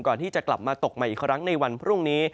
ก่อนที่จะกลับมาตกใหม่อีกครั้งในวันพรุ่งนี้